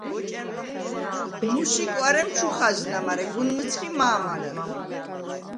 მუს ი კუ̂არემ ჩუ ხაზნა, მარე გუნ მჷცხი მა̄მა ლი.